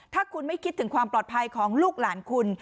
ถ้าคุณไม่คิดถึงความปลอดภัยของลูกหลานคุณ